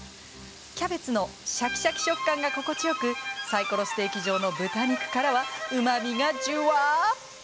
キャベツのシャキシャキ食感が心地よくサイコロステーキ状の豚肉からはうまみがじゅわ！